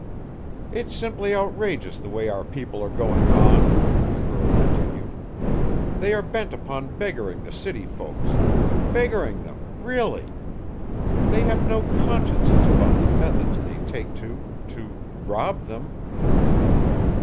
"It's simply outrageous the way our people are going on," the girl continued; "they are bent upon beggaring the city folks! Beggaring them, really! they have no consciences about the methods they take to to rob them!"